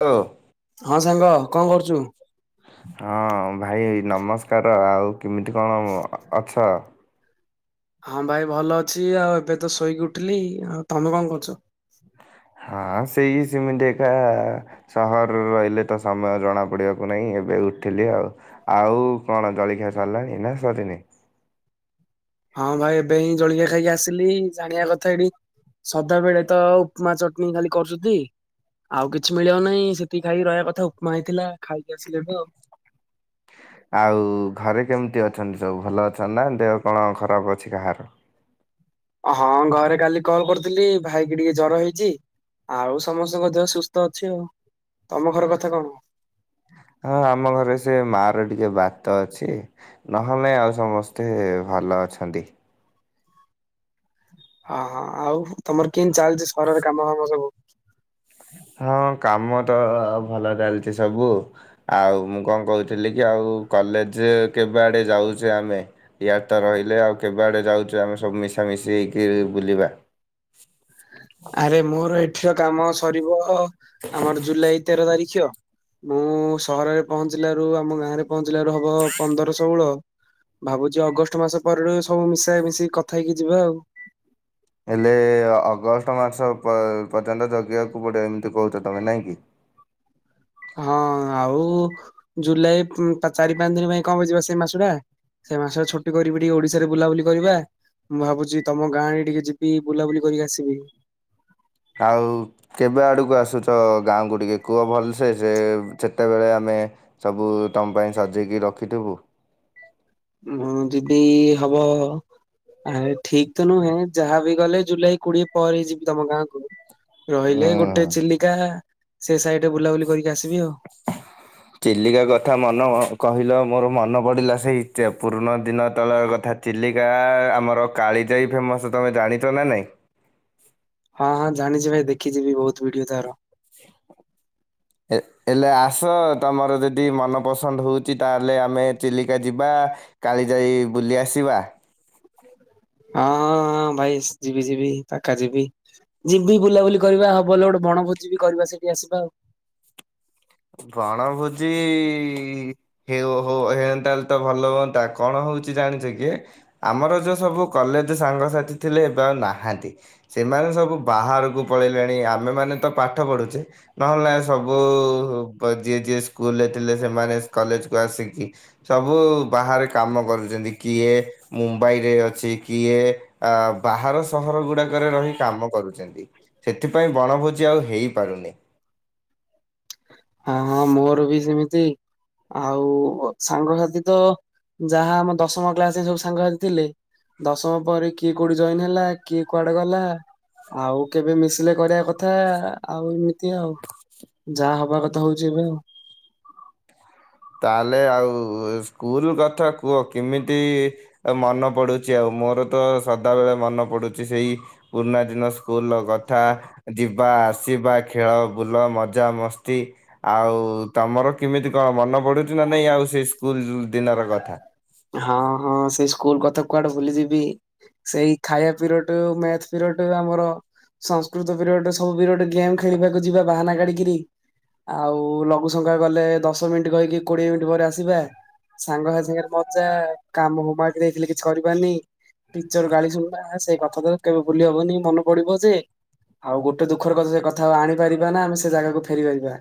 ଓ। ହଁ ସାଙ୍ଗ କଣ କରୁଛୁ? ହଁ ଭାଇ ନମସ୍କାର ଆଉ କେମିତି କଣ ଅଛ? ହଁ ଭାଇ ଭଲ ଅଛି, ଆଉ ଏବେ ତ ଶୋଇକି ଉଠିଲି, ଆଉ ତମେ କଣ କରୁଛ? ହଁ ସେଇ ସେମିତି ଦେଖା ସହର ରହିଲେ ତ ସମୟ ଜଣାପଡ଼ିବାକୁ ନାହିଁ ଏବେ ଉଠିଲି ଆଉ। ଆଉ କଣ ଜଳଖିଆ ସରିଲାଣି ନା ସରିନି? ହଁ ଭାଇ ଏବେ ହିଁ ଜଳିଖିଆ ଖାଇକି ଆସିଲି ଜାଣିବା କଥା ଏଠି ସଦାବେଳେ ତ ଆଉ ମା ଚଟଣି ଖାଲି କରୁଛନ୍ତି। ଆଉ କିଛି ମିଳିବ ନାହିଁ ସେତିକି ଖାଇକି ରହିବା କଥା ଆଉ, ଉପମା ହେଇଥିଲା ଖାଇକି ଆସିଲେ ବି ଆଉ। ଆଉ ଘରେ କେମିତି ଅଛନ୍ତି ସବୁ ଭଲ ଅଛନ୍ତି ନା ଦେହ କଣ ଖରାପ ଅଛି କାହାର? ହଁ ଘରେ କାଲି କଲ୍ କରୁଥିଲି ଭାଇ କି ଟିକେ ଜର ହେଇଛି। ଆଉ ସମସ୍ତଙ୍କ ଦେହ ସୁସ୍ଥ ଅଛି ଆଉ ତମ ଘର କଥା କଣ? ହଁ ଆମ ଘରେ ସେ ମା ର ଟିକେ ବାତ ଅଛି। ନହେଲେ ଆଉ ସମସ୍ତେ ଭଲ ଅଛନ୍ତି। ହଁ ହଁ ଆଉ ତମର କେମିତି ଚାଲିଛି ସହରରେ କାମ ଫାମ ସବୁ। ହଁ କାମ ତ ଭଲ ଚାଲିଛି ସବୁ। ଆଉ ମୁଁ କଣ କହୁଥିଲି କି ଆଉ କଲେଜ କେବେ ଆଡ଼େ ଯାଉଛେ ଆମେ। ଇଆଡେତ ରହିଲେ ଆଉ କେବେ ଆଡ଼େ ଯାଉଛେ ଆମେ ସବୁ ମିଶାମିଶି ହେଇକି ବୁଲିବା। ଆରେ ମୋର ଏଠିକା କାମ ସରିବ ଆମର ଜୁଲାଇ ତେର ତାରିଖ। ମୁଁ ସହରରେ ପହଞ୍ଚିଲାରୁ ଆମ ଗାଁରେ ପହଞ୍ଚିଲାରୁ ହବ ପନ୍ଦର ଷୋହଳ। ଭାବୁଛି ଅଗଷ୍ଟ ମାସ ପରେରୁ ସବୁ ମିଶାଇ ମିଶିକି କଥା ହେଇକି ଯିବା ଆଉ। ହେଲେ ଅଗଷ୍ଟ ମାସ ପର୍ଯ୍ୟନ୍ତ ଜଗେଇିବାକୁ ପଡ଼ିବ ଏମିତି କହୁଛ ତମେ ନାହିଁକି। ହଁ ଆଉ ଜୁଲାଇ ଚାରି ପାଞ୍ଚ ଦିନ ପାଇଁ କଣ ପାଇ ଜିବା ସେଇ ମାସଟା। ସେ ମାସ ଛୁଟି କରିବି ଟିକେ ଓଡିଶାରେ ବୁଲାବୁଲି କରିବା। ମୁଁ ଭାବୁଛି ତମ ଗାଁରେ ଟିକେ ଯିବି ବୁଲାବୁଲି କରିକି ଆସିବି। ଆଉ କେବେ ଆଡ଼କୁ ଆସୁଛ ଗାଁକୁୁ ଟିକେ କୁଅ ଭଲସେ ସେ ସେତେବେଳେ ଆମେ ସବୁ ତମ ପାଇଁ ସାଜେଇକି ରଖିଥିବୁ। ମୁଁ ଯିବି ହବ ଆରେ ଠିକ ତ ନୁହେଁ ଯାହା ବିି ଗଲେ ଜୁଲାଇ କୋଡିଏ ପରେ ହେଇ ଯିବି ତମ ଗାଁକୁ। ରହିଲେ ହୁଁ ଗୋଟେ ଚିଲିକା ସେ ସାଇଡ ବୁଲାବୁଲି କରିକି ଆସିବି ଆଉ। [inaudible] ଚିଲିକା କଥା ମନ କହିଲ ମୋର ମନ ପଡିଲା ସେଇ ପୁରୁଣା ଦିନ ତଳ କଥା। ଚିଲିକା ଆମର କାଳିଜାଇ ଫେମସ୍ ତମେ ଜାଣିଛ ନା ନାଇଁ। ହଁ ହଁ ଜାଣିଛି ଭାଇ ଦେଖିଛିିବି ବହୁତ ଭିଡିଓ ତାର। ହେ ହେଲେ ଆସ ତମର ଯଦି ମନ ପସନ୍ଦ ହଉଛି ତାହେଲେ ଆମେ ଚିଲିକା ଯିବା। କାଳିଯାଇ ବୁଲି ଆସିବା। ହଁ ହଁ ହଁ ଭାଇ ଯିବି ଯିବି ପାକା ଯିବି। ଯିବି ବୁଲାବୁଲି କରିବା ହଉ ଭଲ ଗୋଟେ ବଣଭୋଜି ବି କରିବା ସେଠି ଆସିବା ଆଉ। ବଣଭୋଜି ହେ ହଉ ହେଅନ୍ତାହଲେ ତ ଭଲ ହୁଅନ୍ତା କଣ ହଉଛି ଜାଣିଛ କି? ଆମର ଯେଉଁ ସବୁ କଲେଜ ସାଙ୍ଗସାଥି ଥିଲେ ଏବେ ଆଉ ନାହାନ୍ତି। ସେମାନେ ସବୁ ବାହାରକୁ ପଳେଇଲେଣି ଆମେମାନେ ତ ପାଠ ପଢୁଛେ। ନହେଲେ ଆଉ ସବୁ ଯିଏଯିଏ ସ୍କୁଲରେ ଥିଲେ ସେମାନେ କଲେଜ କୁ ଆସିକି ସବୁ ବାହାରେ କାମ କରୁଛନ୍ତି କିଏ ମୁମ୍ବାଇରେ ଅଛି କିଏ ଅ ବାହାର ସହର ଗୁଡାକରେ ରହି କାମ କରୁଛନ୍ତି। ସେଥିପାଇଁ ବଣଭୋଜି ଆଉ ହେଇପାରୁନି। ହଁ ହଁ ମୋର ବି ସେମିତି। ଆଉ ସାଙ୍ଗସାଥି ତ ଯାହା ଆମ ଦଶମ କ୍ଲାସରେ ସବୁ ସାଙ୍ଗସାଥି ଥିଲେ। ଦଶମ ପରେ କିଏ କୋଉଠି ଜଏନ୍ ହେଲା କିଏ କୁଆଡେ ଗଲା। ଆଉ କେବେ ମିଶିଲେ କରିବା କଥା ଆଉ ଏମିତି ଆଉ। [inaudible] ଯାହା ହବା କଥା ହଉଛି ଏବେ ଆଉ। ତାହେଲେ ଆଉ ସ୍କୁଲ କଥା କୁହ କେମିତି ମନେ ପଡୁଛି ଆଉ ମୋର ତ ସଦାବେଳେ ମନେ ପଡୁଛି ସେଇ ପୁରୁଣା ଦିନସବୁ। ସ୍କୁଲ କଥା ଯିବା ଆସିବା ଖେଳ ବୁଲ ମଜା ମସ୍ତି ଆଉ ତମର କେମିତି କଣ ମନ ପଢୁଛି ନା ନାଇଁ ଆଉ ସେ ସ୍କୁଲ ଦିନର କଥା? ହଁ ହଁ ସେଇ ସ୍କୁଲ କଥା କୁଆଡେ ଭୁଲି ଯିବି। ସେଇ ଖାଇବା ପିରିୟଡରୁ ମ୍ୟାଥ ପିରିୟଡ ଆମର ସଂସ୍କୃତ ପିରି ଗୋଟେ ସବୁ ବିରେ ଗୋଟେ ଗେମ୍ ଖେଳିବାକୁ ଯିବା ବାହାନା କାଢ଼ିକିରି ଆଉ ଲଘୁସଙ୍କା ଗଲେ, ଦଶ ମିଣ୍ଟି କହିକି କୋଡିଏ ମିଣ୍ଟି ପରେ ଆସିବେ ସାଙ୍ଗସାଥି ସାଙ୍ଗରେ ମଜା, କାମ ହୋମୱାର୍କ ଦେଇଥିଲେ କିଛି କରିବାନି ଟିଚର ଗାଳି ଶୁଣିବା, ହେ ସେଇ କଥା ତ କେବେ ଭୁଲି ହବନି ମନେ ପଡିବ ଯେ ଆଉ ଗୋଟେ ଦୁଃଖର କଥା ସେ କଥା ଆଉ ଆଣିପାରିବା ନା, ଆମେ ସେ ଜାଗାକୁ ଫେରି ପାରିବା।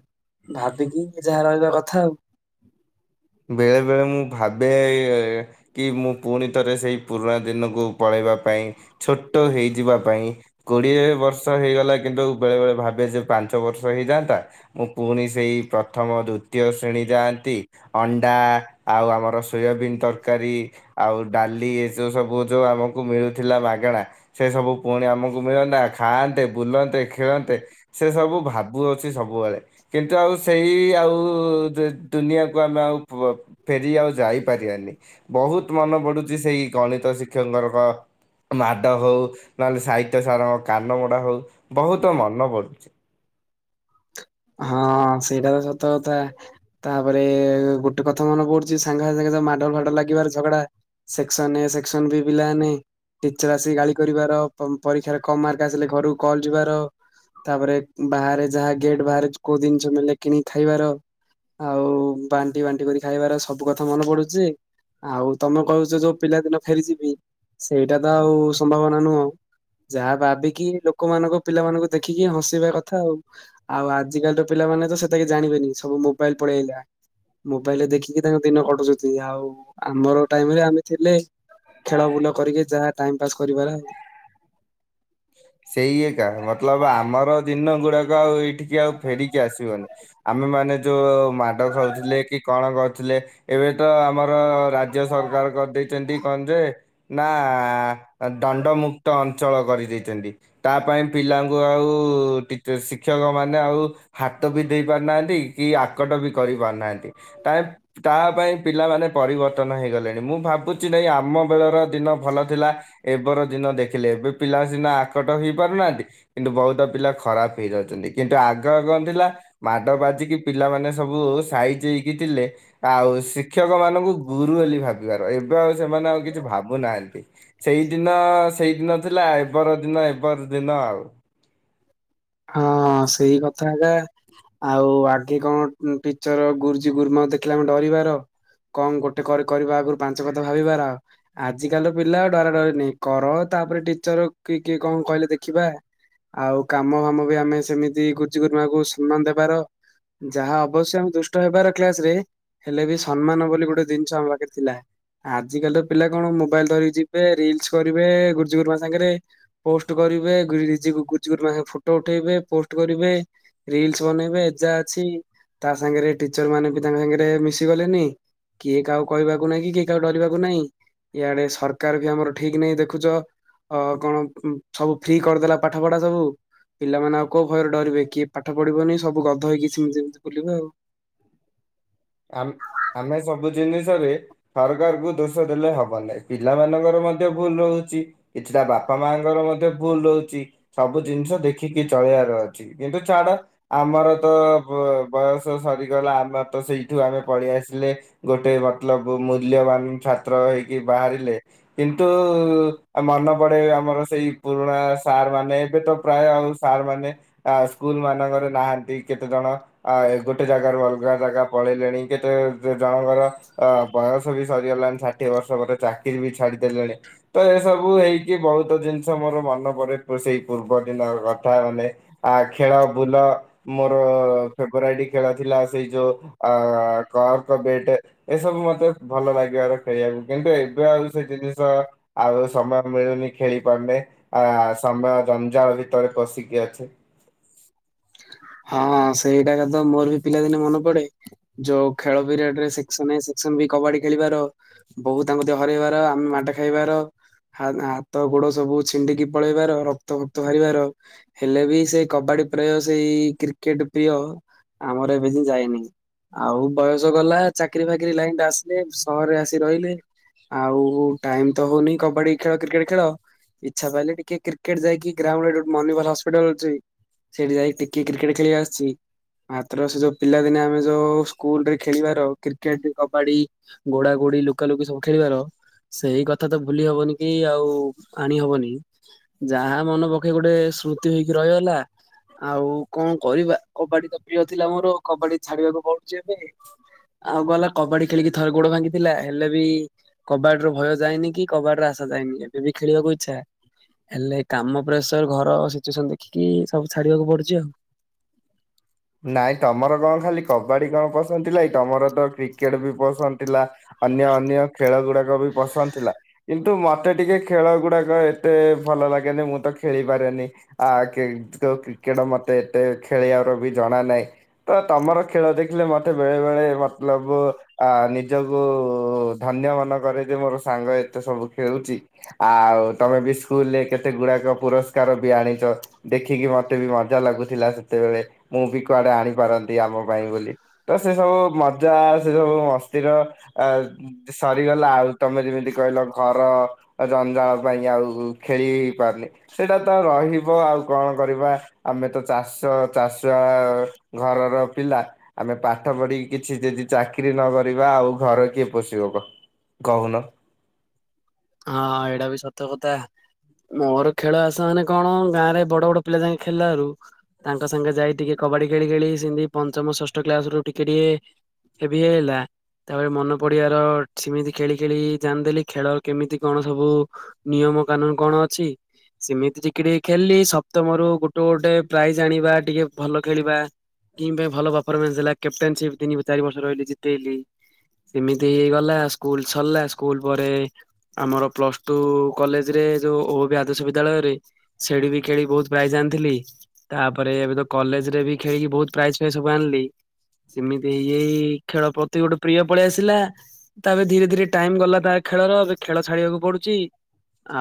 ଭାବିକି ଯାହା ରହିବା କଥା ଆଉ। ବେଳେବେଳେ ମୁଁ ଭାବେ ଏ କି ମୁଁ ପୁଣି ଥରେ ସେଇ ପୁରୁଣା ଦିନକୁ ପଳେଇବା ପାଇଁ, ଛୋଟ ହେଇଯିବା ପାଇଁ କୋଡିଏ ବର୍ଷ ହେଇଗଲା କିନ୍ତୁ ବେଳେବେଳେ ଭାବେ ଯେ, ପାଞ୍ଚ ବର୍ଷ ହେଇଯାଆନ୍ତା ମୁଁ ପୁଣି ସେଇ ପ୍ରଥମ, ଦ୍ଵିତୀୟ ଶ୍ରେଣୀ ଯାଆନ୍ତି ଅଣ୍ଡା ଆଉ ଆମର ସୋୟାବିନ୍ ତରକାରୀ ଆଉ ଡାଲି ଏ ଯୋଉ ସବୁ ଯୋଉ ଆମକୁ ମିଳୁଥିଲା ମାଗେଣା ସେ ସବୁ ପୁଣି ଆମକୁ ମିଳନ୍ତା, ଖାଆନ୍ତେ, ବୁଲନ୍ତେ, ଖେଳନ୍ତେ ସେ ସବୁ ଭାବୁଅଛି ସବୁବେଳେ। କିନ୍ତୁ ଆଉ ସେଇ ଆଉ ଦୁ-ଦୁନିଆ ତାକୁ ଆମେ ଆଉ ପ-ଫେରି ଆଉ ଯାଇପାରିବାନି। ବହୁତ ମନେ ପଡୁଛି ସେଇ ଗଣିତ ଶିକ୍ଷକଙ୍କର ମାଡ ହଉ, ନହେଲେ ସାହିତ୍ୟ ସାରଙ୍କ କାନମୋଡ଼ା ହଉ, ବହୁତ ମନେ ପଡ଼ୁଛି। ହଁ ସେଇଟା ତ ସତ କଥା। ତାପରେ ଗୋଟେ କଥା ମନେ ପଡୁଛି ସାଙ୍ଗ ସାଙ୍ଗେ ଯେ ମାଡଗୋଳ ଫାଡଗୋଳ ଲାଗିବାର ଝଗଡା ସେକ୍ସନ ଏ, ସେକ୍ସନ ବି ପିଲାମାନେ ଟିଚର ଆସିକି ଗାଳି କରିବାର, ପ-ପରୀକ୍ଷାରେ କମ୍ ମାର୍କ ଆସିଲେ ଘରକୁ କଲ୍ ଯିବାର ତାପରେ ବାହାରେ ଯାହା ଗେଟ ବାହାରେ କୋଉ ଜିନିଷ ମିଳିଲେ କିଣିିକି ଖାଇବାର ଆଉ ବାଣ୍ଟି ବାଣ୍ଟି କରି ଖାଇବାର, ସବୁ କଥା ମନେ ପଡୁଛି ଯେ ଆଉ ତମେ କହୁଛ ଯୋଉ ପିଲାଦିନ ଫେରିଯିବି, ସେଇଟା ତ ଆଉ ସମ୍ଭାବନା ନୁହଁ। ଯାହା ଭାବିକି ଲୋକମାନଙ୍କ ପିଲାମାନଙ୍କୁ ଦେଖିକି ହଁସେଇବା କଥା ଆଉ। ଆଉ ଆଜିକାଲିର ପିଲାମାନେ ତ ସେତକି ଜାଣିବେନି, ସବୁ ମୋବାଇଲ ପଳେଇ ଆଇଲା। ମୋବାଇଲରେ ଦେଖିକି ତାଙ୍କ ଦିନ କଟୁଛନ୍ତି। ଆଉ ଆମର ଟାଇମରେ ଆମେ ଥିଲେ ଖେଳ ବୁଲ କରିକି ଯାହା ଟାଇମ ପାସ୍ କରିବାର ଆଉ। ସେଇ ଏକା, ମତଲବ ଆମର ଦିନ ଗୁଡାକ ଆଉ ଏଇଠିକି ଆଉ ଫେରିକି ଆସିବନି। ଆମେମାନେ ଯୋଉ ମାଡ ଖାଉଥିଲେ କି, କଣ କରୁଥିଲେ ଏବେ ତ ଆମର ରାଜ୍ୟ ସରକାର କରିଦେଇଛନ୍ତି କଣ ଯେ ନା ଆ ଦଣ୍ଡମୁକ୍ତ ଅଞ୍ଚଳ କରିଦେଇ ଛନ୍ତି। ତା ପାଇଁ ପିଲାଙ୍କୁ ଆଉ ଟିଚ ଶିକ୍ଷକମାନେ ଆଉ ହାତ ବି ଦେଇ ପାରୁନାହାଁନ୍ତି, କି ଆକଟ ବି କରି ପାରୁନାହାଁନ୍ତି। ଟାଇପ୍ ତା ପାଇଁ ପିଲାମାନେ ପରିବର୍ତ୍ତନ ହେଇଗଲେଣି। ମୁଁ ଭାବୁଚି ନାଇଁ ଆମ ବେଳର ଦିନ ଭଲ ଥିଲା, ଏବର ଦିନ ଦେଖିଲେ। ଏବେ ପିଲା ସିନା ଆକଟ ହେଇ ପାରୁନାହାଁନ୍ତି କିନ୍ତୁ ବହୁତ ପିଲା ଖରାପ ହେଇଯାଉଚନ୍ତି। କିନ୍ତୁ ଆଗ ଗ କଣ ଥିଲା ମାଡ ବାଜିକି ପିଲାମାନେ ସବୁ, ସାଇଜି ହେଇକି ଥିଲେ ଆଉ ଶିକ୍ଷକମାନଙ୍କୁ ଗୁରୁ ବୋଲି ଭାବିବାର, ଏବେ ଆଉ ସେମାନେ ଆଉ କିଛି ଭାବୁନାହାଁନ୍ତି। ସେଇଦିନ, ସେଇଦିନ ଥିଲା ଏ ଏବର ଦିନ ଏ [unintelligible] ଦିନ ଆଉ। ହଁ, ସେଇ କଥା ଏକା। ଆଉ ଆଗେ କଣ ଉମ୍ ଟିଚର, ଗୁରୁଜୀ, ଗୁରୁମାକୁ ଦେଖିଲେ ଆମେ ଡରିବାର କଅଁ ଗୋଟେ କରି-କରିବା ଆଗୁରୁ ପାଞ୍ଚ କଥା ଭାବିବାର। ଆଜିକାଲି ତ ପିଲା ମୁଁ କାହାର ଡରେନି, କର ତାପରେ ଟିଚର କି କିଏ କଣ କହିଲେ ଦେଖିବା, ଆଉ କାମ କାମ ଭାମ ବି ଆମେ ସେମିତି ଗୁରୁଜୀ, ଗୁରୁମାକୁ ସମ୍ମାନ ଦେବାର ଯାହା ଅବଶ୍ୟ ଆମେ ଦୁଷ୍ଟ ହେବାର କ୍ଲାସରେ ହେଲେ ବି ସମ୍ମାନ ବୋଲି ଗୋଟେ ଜିନିଷ, ଆମ ପାଖରେ ଥିଲା। ଆଜିକାଲି ତ ପିଲା କଣ ମୋବାଇଲ ଧରିକି ଯିବେ, ରିଲ୍ସ କରିବେ, ଗୁରୁଜୀ, ଗୁରୁମା ସାଙ୍ଗେରେ ପୋଷ୍ଟ କରିବେ ଗୁରୁଜୀ ଗୁ ଗୁ ଗୁଜୁରୁମାହା ଫୋ ଟୋ ଉଠେଇବେ ପୋଷ୍ଟ କରିବେ, ରିଲସ୍ ବନେଇବେ ଏଯା ସି ତା ସାଙ୍ଗରେ ଟିଚର ମାନେ ବି ତାଙ୍କ ସାଙ୍ଗରେ ମିଶି ଗଲେନି କିଏ କାହାକୁ କହିବାକୁ ନାଇଁ, କିଏ କାହାକୁ ଡରିବାକୁ ନାଇଁ। ଇଆଡେ ସରକାର ବି ଆମର ଠିକ ନାଇଁ ଦେଖୁଚ ହଁ କଣ ଉଁ ସବୁ ଫ୍ରି କରିଦେଲା ପାଠ ପଢା ସବୁ। ପିଲାମାନେ ଆଉ କୋଉ ଭୟରେ ଡରିବେ କିଏ ପାଠ ପଢିବନି ସବୁ ଗଧ ହେଇକି ସିମି ସେମିତି ବୁଲିବେ ଆଉ। ଆମ୍ ଆମେ ସବୁ ଜିନିଷରେ ସରକାର କୁ ଦୋଷ ଦେଲେ ହବ ନାଇଁ ପିଲାମାନଙ୍କର ମଧ୍ୟ ଭୁଲ ରହୁଚି। କିଛିଟା ବାପାମାଙ୍କର ମଧ୍ୟ ଭୁଲ ରହୁଚି, ସବୁ ଜିନିଷ ଦେଖିକି ଚଳେଇବାର ଅଛି। କିନ୍ତୁ ଛାଡ, ଆମର ତ ବ ବ ବୟସ ସରିଗଲା ଆମର ତ ସେଇ ଠୁ ଆମେ ପଲେଇ ଆସିଲେ, ଗୋଟେ ମତଲବ ମୂଲ୍ୟବାନ ଛାତ୍ର ହେଇକି ବାହାରିଲେ କିନ୍ତୁ ଆଉ ମନେ ପଡେ ଆମର ସେଇ ପୁରୁଣା ସାର୍ ମାନେ ଏବେ ତ ପ୍ରାୟ ଆଉ ସାର୍ ମାନେ ଆ ସ୍କୁଲମାନଙ୍କରେ ନାହାନ୍ତି କେତେଜଣ ଆ ଏ ଗୋଟେ ଜାଗାରୁ ଅଲଗା ଜାଗା ପଳେଇଲେଣି କେତେବେଳେ ଜଣଙ୍କର ଅ ବୟସ ବି ସରିଗଲାନି ଷାଠିଏ ବର୍ଷ ପରେ ଚାକିରି ବି ଛାଡି ତ ଏସବୁ ହେଇକି ବହୁତୁ ଜିନ ଷ ମୋର ମନେ ପଡେ ପ ସେଇ ପୂର୍ବ ଦିନର କଥା ମାନେ ଆ ଖେଳ ବୁଲ ମୋର ଫେବରାଇଟ ଖେଳ ଥିଲା ସେଇ ଯୋ ଆ କର୍କ ବେଟ୍ ଏ ସବୁ ମତେ ଭଲ ଲାଗିବାର ଖେଳିଆକୁ କିନ୍ତୁ ଏବେ ଆଉ ସେ ଜିନିଷ ଆଉ ସମୟ ମିଳୁନି ଖେଳି ପାରୁନେ, ଆ ସମୟ ଜଞ୍ଜାଳ ଭିତରେ ପଷିକି ଅଛେ। ହଁ ସେଇଟା କାତ ମୋର ବି ପିଲାଦିନେ ମନେ ପଡେ। ଯୋଉ ଖେଳ ପିରିୟଡରେ section A section B kabaddi ଖେଳିବାର ବୋହୁ ତାଙ୍କୁ ତ ହରେଇବାର ଆମେ ମାଡ ଖାଇବାର ହା ହାତ ଗୋଡ ସବୁ ଛିଣ୍ଡିକି ପଳେଇବାର ରକ୍ତ ଫକ୍ତ ବାହାରିବାର ହେଲେ ବି ସେଇ କବାଡି ପ୍ରେୟ ସେଇ କ୍ରିକେଟ ପ୍ରିୟ, ଆମର ଏବେ ଯାଏ ଯାଇନି। ଆଉ ବୟସ ଗଲା ଚାକିରି ଫାକିରି ଲାଇନଟା ଆସିଲି ସହରରେ ଆସି ରହିଲେ ଆଉ ଟାଇମ ତ ହଉନି କବାଡି ଖେଳ କ୍ରିକେଟ ଖେଳ ଇଚ୍ଛା ପାଇଲେ ଟିକେ କ୍ରିକେଟ୍ ଯାଇକି ଗ୍ରାଉଣ୍ଡରେ ଗୋଟେ ମନିପାଲ୍ ହସ୍ପିଟାଲ ଅଛି, ସେଇଠି ଯାଇ ଟିକେ କ୍ରିକେଟ ଖେଳି ଆସୁଚି ମାତ୍ର ସେ ଯୋଉ ପିଲାଦିନେ ଆମେ ଯୋଉ ସ୍କୁଲରେ ଖେଳିବାର କ୍ରିକେଟ କବାଡି ଗୋଡା ଗୋଡି ଲୁକା ଲୁକି ସବୁ ଖେଳିବାର ସେଇ କଥା ତ ଭୁଲି ହବନି କି ଆଉ ଆଣିହବନି ଯାହା ମନ ପକେଇ ଗୋଟେ ସ୍ମୃତି ହେଇକି ରହିଗଲା ଆଉ କଣ କରିବା କବାଡି ତ ପ୍ରିୟ ଥିଲା ମୋର କବାଡି ଛାଡିବାକୁ ପଡୁଛି ଏବେ ଆଉ ଗଲା କବାଡି ଖେଳିକି ଥରେ ଗୋଡ ଭାଙ୍ଗିଥିଲା ହେଲେ ବି କବାଡିର ଭୟ ଯାଇନି କି କବାଡିର ଆଶା ଯାଇନି ଏବେ ବି ଖେଳିବାକୁ ଇଚ୍ଛା ହେଲେ ଏ କାମ ପ୍ରେସର ଘର ସିଚୁଏସନ ଦେଖିକି ସବୁ ଛାଡିବାକୁ ପଡୁଛି ଆଉ ନାଇଁ ତମର କଣ ଖାଲି କବାଡି କଣ ପସନ୍ଦ ଥିଲା କି ତମର ତ କ୍ରିକେଟ ବି ପସନ୍ଦ ଥିଲା। ଅନ୍ୟ ଅନ୍ୟ ଖେଳ ଗୁଡାକ ବି ପସନ୍ଦ ଥିଲା। କିନ୍ତୁ ମତେ ଟିକେ ଖେଳ ଗୁଡାକ ଏତେ ଭଲ ଲାଗେନି ମୁଁ ତ ଖେଳି ପାରେନି। ଆ କି ଯୋଉ କ୍ରିକେଟ ମତେ ଏତେ ଖେଳିବାର ବି ଜଣା ନାହିଁ। ତ ତମର ଖେଳ ଦେଖିଲେ ମତେ ବେଳେ ବେଳେ ମତଲବ ଆ ନିଜକୁ ଧନ୍ୟ ମନେ କରେ ଯେ ମୋର ସାଙ୍ଗ ଏତେ ସବୁ ଖେଳୁଛି ଆଉ ତମେ ବି ସ୍କୁଲରେ କେତେ ଗୁଡାକ ପୁରସ୍କାର ବି ଆଣିଛ। ଦେଖିକି ମତେ ବି ମଜା ଲାଗୁଥିଲା ସେତେବେଳେ। ମୁଁ ବି କୁଆଡେ ଆଣିପାରନ୍ତି ଆମ ପାଇଁ ବୋଲି ତ ସେ ସବୁ ମ ମଜା ସେ ସବୁ ମସ୍ତିର ଆ ସରିଗଲା। ଆଉ ତମେ ଯେମିତି କହିଲ ଘର ଜଞ୍ଜାଳ ପାଇଁ ଆଉ ଖେଳି ହେଇ ପାରୁନି। ସେଇଟା ତ ରହିବ ଆଉ କଣ କରିବା ଆମେ ତ ଚାଷ ଚାଷ ଘରର ପିଲା। ଆମେ ପାଠ ପଢିକି କିଛି ଯଦି ଚାକିରି ନ କରିବା ଆଉ ଘର କିଏ ପୋଷିବ କୁହ? କହୁନ? ହଁ ଏଇଟା ବି ସତ କଥା। ମୋର ଖେଳ ଆସ ମାନେ କଣ ଗାଁ ରେ ବଡ ବଡ ପିଲା ସାଙ୍କେ ଖେଳିଲାରୁ ତାଙ୍କ ସାଙ୍ଗେ ଯାଇ ଟିକେ କବାଡି ଖେଳି ଖେଳି ସେମତି ପଞ୍ଚମ ଷଷ୍ଠ କ୍ଲାସ ରୁ ଟିକେ ଟିକେ ହେବି ହେଇଗଲା। ତାପରେ ମନେ ପଡିବାର ସେମିତି ଖେଳି ଖେଳି ଜାଣି ଦେଲି ଖେଳ କେମିତି କଣ ସବୁ ନିୟମ କାନୁନ କଣ ଅଛି। ସେମିତି ଟିକେ ଟିକେ ଖେଳିଲି ସପ୍ତମରୁ ଗୋଟେ ଗୋଟେ ପ୍ରାଇଜ ଆଣିବା। ଟିକେ ଭଲ ଖେଳିବା। ଟିମ୍ ପାଇଁ ଭଲ ପରଫର୍ମାନ୍ସ ହେଲା କ୍ୟାପଟେନସିପ ତିନି ଚାରି ବର୍ଷ ରହିଲି ଜିତେଇଲି। ଏମିତି ହେଇଗଲା ସ୍କୁଲ ସରିଲା ସ୍କୁଲ ପରେ ଆମର ପ୍ଲସ ଟୁ କଲେଜ ରେ ଯୋଉ ଓ ବି ଆଦର୍ଶ ବିଦ୍ୟାଳୟରେ ସେଡି ବି ଖେଳି ବହୁତ ପ୍ରାଇଜ୍ ଆଣିଥିଲି। ତାପରେ ଏବେ ତ କଲେଜରେ ବି ଖେଳିକି ବହୁତ ପ୍ରାଇଜ୍ ଫାଇଜ ସବୁ ଆଣିଲି। ସେମିତି ହେଇ ଖେଳ ପ୍ରତି ଗୋଟେ ପ୍ରିୟ ପଳେଇ ଆସିଲା। ତାପରେ ଧୀରେ ଧୀରେ ଟାଇମ ଗଲା ତା ଖେଳର ଏ ଖେଳ ଛାଡିବାକୁ ପଡୁଛି।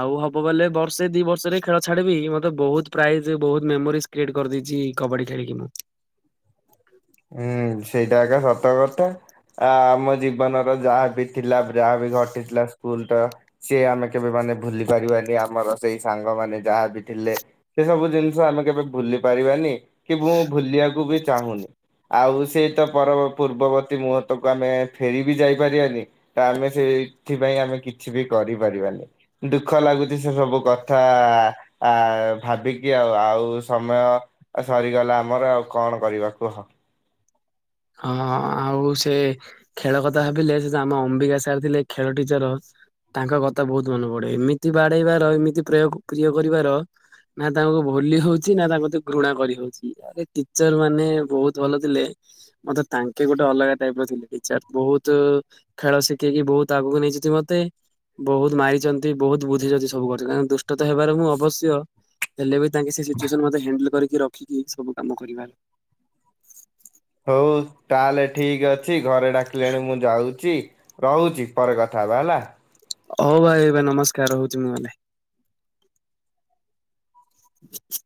ଆଉ ହବ ବଲେ ବର୍ଷେ ଦି ବର୍ଷରେ ଖେଳ ଛାଡିବି ମତେ ବହୁତ ପ୍ରାଇଜ ବହୁତ ମେମୋରିଜ କ୍ରେଟ୍ କରିଦେଇଛି କବାଡ଼ି ଖେଳିକି ମୁଁ। ହୁଁ ସେଇଟା ଏକ ସତ କଥା ଆ ଆମ ଜୀବନର ଯାହାବି ଥିଲା ଯାହା ବି ଘଟିଥିଲା। ସ୍କୁଲ ତ ସିଏ ଆମେ କେବେ ମାନ ଭୁଲି ପାରିବାନି ଆମର ସେଇ ସାଙ୍ଗମାନେ ଯାହା ବି ଥିଲେ ସେ ସବୁ ଜିନିଷ ଆମେ କେବେ ଭୁଲି ପାରିବାନି, କି ମୁଁ ଭୁଲିବାକୁ ବି ଚାହୁଁନି। ଆଉ ସେଇ ତ ପର ପୂର୍ବବର୍ତୀ ମୁହୂର୍ତ୍ତକୁ ଆମେ ଫେର ବି ଯାଇପାରିବାନି। ତ ଆମେ ସେଇଥିପାଇଁ ଆମେ କିଛି ବି କରିପାରିବାନି। ଦୁଃଖ ଲାଗୁଛି ସେ ସବୁ କଥା। ଆ ଭାବିକି ଆଉ ଆଉ ସମୟ ଆଉ ସରିଗଲା ଆମର ଆଉ କଣ କରିବା କୁହ। ହଁ ଆଉ ସେ ଖେଳ କଥା ଭାବିଲେ ସେ ଆମ ଅମ୍ବିକା ସାର୍ ଥିଲେ ଖେଳ ଟିଚର ତାଙ୍କ କଥା ବହୁତ ମନେ ପଡେ ଏମିତି ବାଡେଇବାର ଏମିତି ପ୍ରୟ ପ୍ରିୟ କରିବାର ନା ତାଙ୍କୁ ଭୁଲି ହଉଛି ନା ତାଙ୍କୁ ଘୃଣା କରି ହଉଛି। ଆଗରୁ ଟିଚର ମାନେ ବହୁତ ଭଲ ଥିଲେ ମତେ ତାଙ୍କେ ଗୋଟେ ଅଲଗା ଟାଇପ ର ଥିଲେ ଟିଚର ବହୁତ ଖେଳ ଶିଖେଇକି ବହୁତ ଆଗକୁ ନେଇଚି ମତେ। ବହୁତ ମାରିଛନ୍ତି ବହୁତ ବୁଝିଛନ୍ତି ସବୁ ଆମେ ଦୁ ଦୁଷ୍ଟ ହେବାର ମୁଁ ଅବଶ୍ୟ ହେଲେ ବି ତାଙ୍କେ ସେ ସିଚୁଏସନ ମେ ହ୍ୟାଣ୍ଡଲ କରିକି ରଖିକି ସବୁ କାମ କରିବାର ହଉ ତାହେଲେ ଠିକ ଅଛି ଘରେ ଡାକିଲେଣି ମୁଁ ଯାଉଛି। ରହୁଛି ପରେ କଥା ହେବା ହେଲା। ହଉ ଭାଇ ଏବେ ନମସ୍କାର ହଉଛି ମୁଁ କଲି [inaudible]